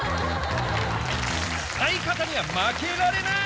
相方には負けられない。